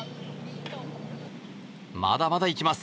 まだまだいきます。